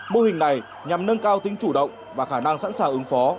mô hình này nhằm nâng cao tính chủ động và khả năng sẵn sàng ứng phó